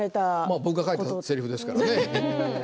僕が書いたせりふですからね。